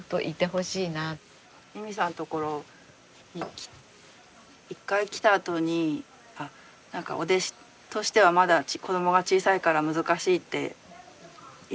ユミさんの所に一回来たあとに何かお弟子としてはまだ子どもが小さいから難しいって言ってくれてて。